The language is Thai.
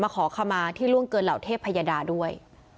ขอขมาที่ล่วงเกินเหล่าเทพยดาด้วย